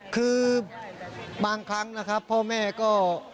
คือบางครั้งนะครับพ่อแม่ก็